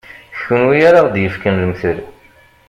D kunwi ara ɣ-d-yefken lemtel.